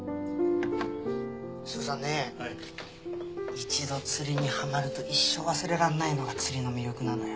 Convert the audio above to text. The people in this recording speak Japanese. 一度釣りにハマると一生忘れらんないのが釣りの魅力なのよ。